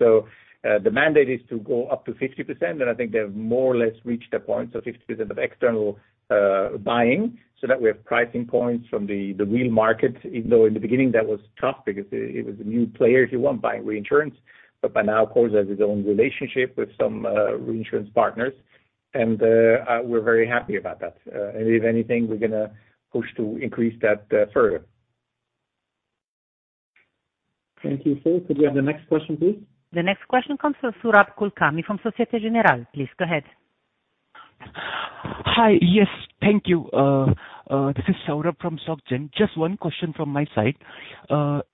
The mandate is to go up to 50%, and I think they've more or less reached a point. 50% of external buying, so that we have pricing points from the real market, even though in the beginning that was tough because it was a new player, if you want, buying reinsurance. By now, CorSo has his own relationship with some reinsurance partners, and we're very happy about that. If anything, we're gonna push to increase that further. Thank you, sir. Could we have the next question, please? The next question comes from Saurabh Kulkarni from Société Générale Hi. Yes, thank you. This is Saurabh from Soc Gen. Just one question from my side.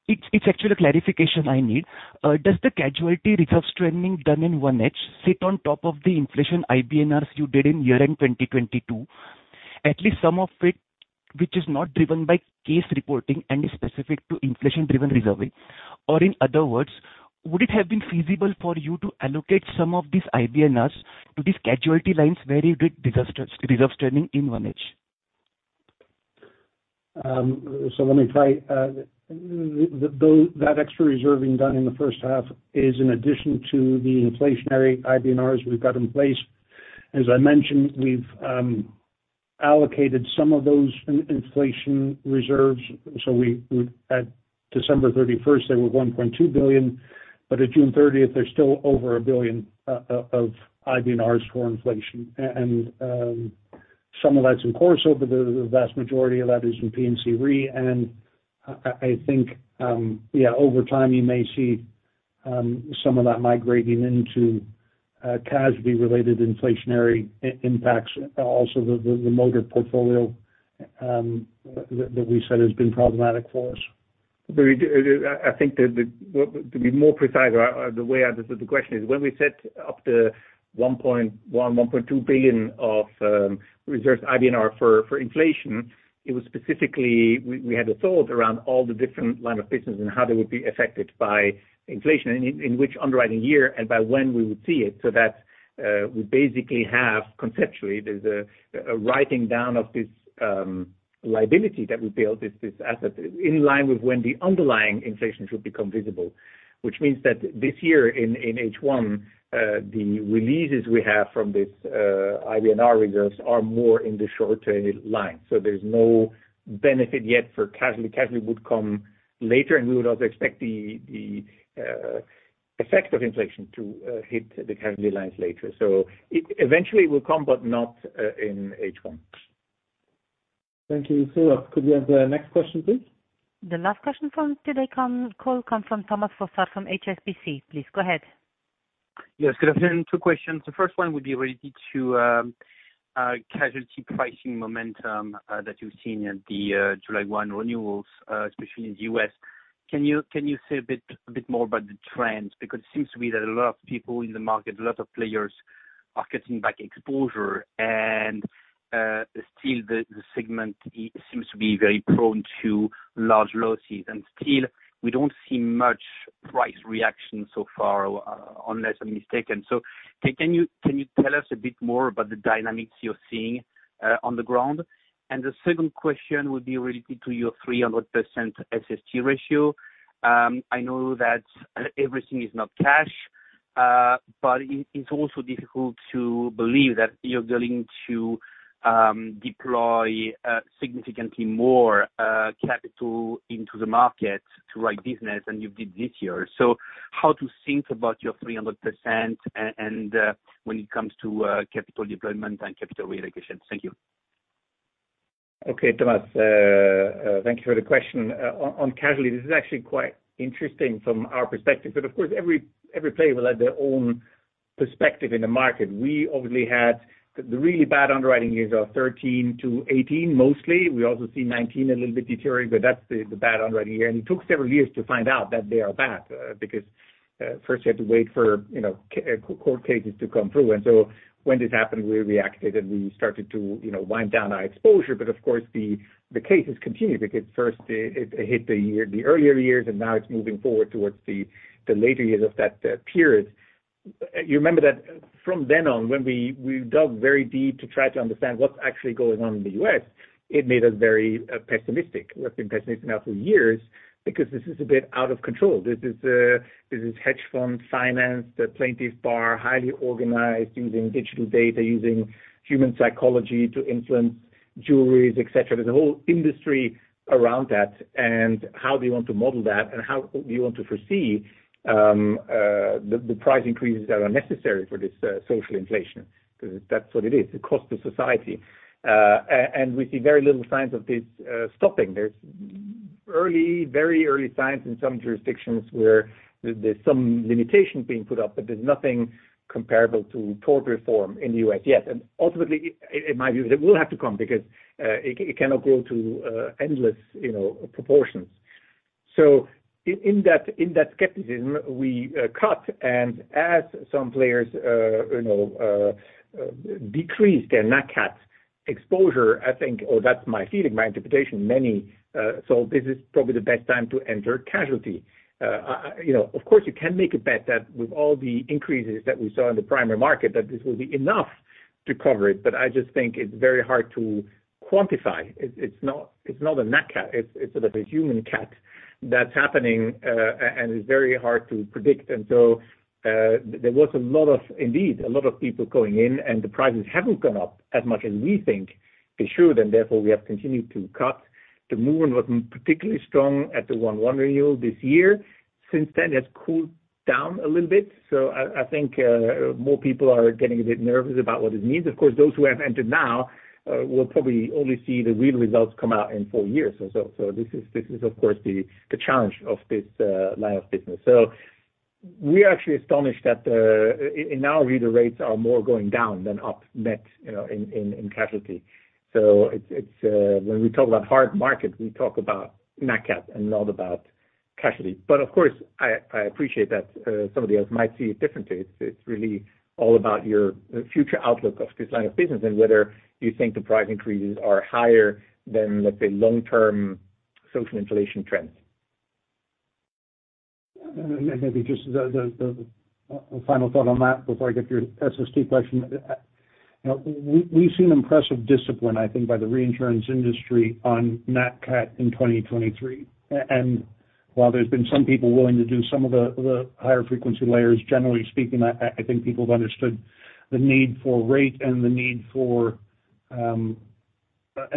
It's actually a clarification I need. Does the casualty reserve strengthening done in 1H sit on top of the inflation IBNRs you did in year-end 2022, at least some of it which is not driven by case reporting and is specific to inflation-driven reserving? In other words, would it have been feasible for you to allocate some of these IBNRs to these casualty lines where you did disaster reserve strengthening in 1H? Let me try. Those, that extra reserving done in the first half is in addition to the inflationary IBNRs we've got in place. As I mentioned, we've allocated some of those in-inflation reserves, so we at December 31st, they were $1,200,000,000, but at June 30th, there's still over $1,000,000,000 of IBNRs for inflation. Some of that's in CorSo, but the vast majority of that is in P&C Re. I think, yeah, over time, you may see some of that migrating into casualty-related inflationary impacts, also the motor portfolio that we said has been problematic for us. I think that the to be more precise, or, or the way I look at the question is, when we set up the $1,100,000,000-$1,200,000,000 of reserves IBNR for inflation, it was specifically we, we had a thought around all the different line of business and how they would be affected by inflation, and in which underwriting year and by when we would see it. We basically have conceptually, there's a, a writing down of this liability that we built, this, this asset, in line with when the underlying inflation should become visible, which means that this year in H1, the releases we have from this IBNR reserves are more in the short tail line. There's no benefit yet for casualty. Casualty would come later. We would also expect the effect of inflation to hit the casualty lines later. It eventually will come, but not in H1. Thank you. Sarah, could we have the next question, please? The next question from today call comes from Thomas Fossard from HSBC. Please go ahead. Yes, good afternoon. 2 questions. The first one would be related to casualty pricing momentum that you've seen at the July 1 renewals, especially in the U.S. Can you say a bit more about the trends? Because it seems to me that a lot of people in the market, a lot of players are cutting back exposure, and still the segment, it seems to be very prone to large losses. Still, we don't see much price reaction so far, unless I'm mistaken. Can you tell us a bit more about the dynamics you're seeing on the ground? The second question would be related to your 300% SST ratio. I know that everything is not cash, but it, it's also difficult to believe that you're going to deploy significantly more capital into the market to write business than you did this year. How to think about your 300% and when it comes to capital deployment and capital reallocation? Thank you. Okay, Thomas, thank you for the question. On, on casualty, this is actually quite interesting from our perspective, but of course, every, every player will have their own perspective in the market. We obviously had the, the really bad underwriting years of 13 to 18 mostly. We also see 19 a little bit deteriorating, but that's the, the bad underwriting year. It took several years to find out that they are bad, because, first you had to wait for, you know, court cases to come through. So when this happened, we reacted, and we started to, you know, wind down our exposure. Of course, the, the cases continued because at first, it, it hit the year, the earlier years, and now it's moving forward towards the, the later years of that period. You remember that from then on, when we, we dug very deep to try to understand what's actually going on in the US, it made us very pessimistic. We've been pessimistic now for years because this is a bit out of control. This is, this is hedge fund financed, the plaintiffs bar, highly organized, using digital data, using human psychology to influence juries, et cetera. There's a whole industry around that. How do you want to model that? How do you want to foresee the price increases that are necessary for this social inflation? Because that's what it is, the cost to society. We see very little signs of this stopping. There's early, very early signs in some jurisdictions where there, there's some limitations being put up, but there's nothing comparable to tort reform in the US yet. Ultimately, in my view, it will have to come because it cannot grow to endless, you know, proportions. In that, in that skepticism, we cut, and as some players, you know, decrease their nat cat exposure, I think, or that's my feeling, my interpretation, many saw this is probably the best time to enter casualty. You know, of course, you can make a bet that with all the increases that we saw in the primary market, that this will be enough to cover it. I just think it's very hard to quantify. It's not, it's not a nat cat. It's, it's sort of a human cat that's happening, and is very hard to predict. There was a lot of, indeed, a lot of people going in, and the prices haven't gone up as much as we think they should, and therefore, we have continued to cut. The movement was particularly strong at the 1/1 renewal this year. Since then, it's cooled down a little bit, so I, I think, more people are getting a bit nervous about what it means. Of course, those who have entered now, will probably only see the real results come out in 4 years or so. This is, this is, of course, the, the challenge of this line of business. We are actually astonished that, in our reader, rates are more going down than up net, you know, in, in, in casualty. It's when we talk about hard markets, we talk about nat cat and not about casualty. Of course, I, I appreciate that somebody else might see it differently. It's really all about the future outlook of this line of business and whether you think the price increases are higher than, let's say, long-term social inflation trends. Maybe just the, the, the, a final thought on that before I get to your SST question. You know, we, we've seen impressive discipline, I think, by the reinsurance industry on nat cat in 2023. And while there's been some people willing to do some of the, the higher frequency layers, generally speaking, I, I think people have understood the need for rate and the need for an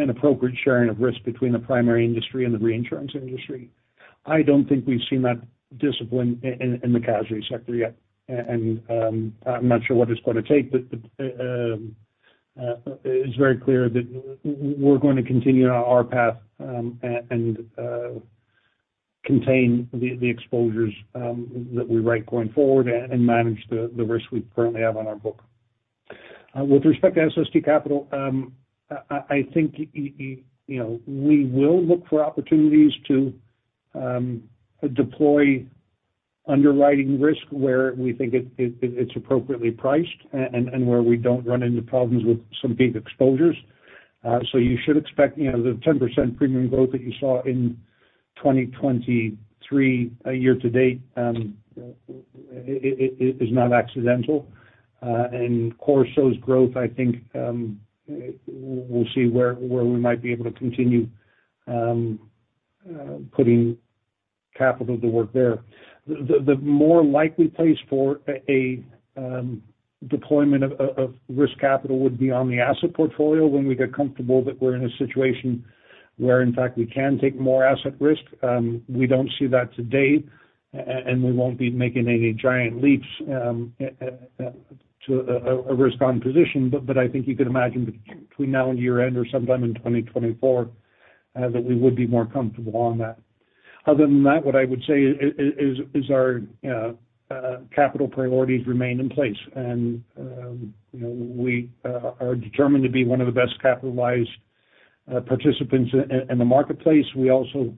appropriate sharing of risk between the primary industry and the reinsurance industry. I don't think we've seen that discipline in, in the casualty sector yet, and I'm not sure what it's going to take, but it's very clear that we're going to continue on our path, and contain the, the exposures that we write going forward and manage the, the risk we currently have on our book. With respect to SST capital, I think, you know, we will look for opportunities to deploy underwriting risk where we think it's appropriately priced and, and where we don't run into problems with some big exposures. So you should expect, you know, the 10% premium growth that you saw in 2023 year to date is not accidental. Of course, those growth, I think, w- we'll see where, where we might be able to continue putting capital to work there. The, the, the more likely place for a, a, deployment of, of, of risk capital would be on the asset portfolio when we get comfortable that we're in a situation where, in fact, we can take more asset risk. We don't see that to date, a- a- and we won't be making any giant leaps, a- a- to a, a risk-on position. But I think you could imagine between now and year-end or sometime in 2024, that we would be more comfortable on that. Other than that, what I would say is our capital priorities remain in place, you know, we are determined to be one of the best capitalized participants in the marketplace. We also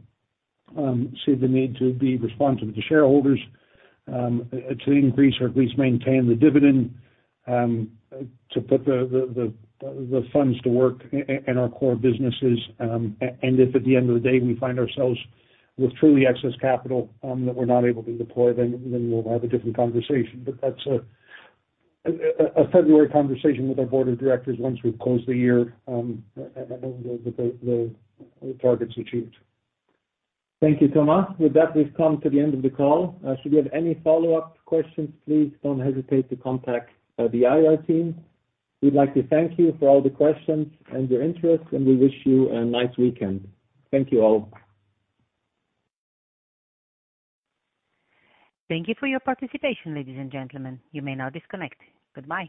see the need to be responsive to shareholders, to increase or at least maintain the dividend, to put the funds to work in our core businesses. If at the end of the day, we find ourselves with truly excess capital that we're not able to deploy, then we'll have a different conversation. That's a February conversation with our board of directors once we've closed the year and the targets achieved. Thank you, Thomas. With that, we've come to the end of the call. Should you have any follow-up questions, please don't hesitate to contact the IR team. We'd like to thank you for all the questions and your interest, and we wish you a nice weekend. Thank you, all. Thank you for your participation, ladies and gentlemen. You may now disconnect. Goodbye.